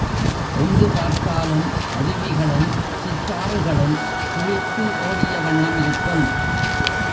எங்கு பார்த்தாலும் அருவிகளும், சிற்றாறுகளும் சுழித்து ஓடிய வண்ணமிருக்கும்.